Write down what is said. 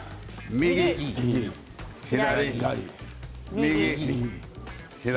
右、左。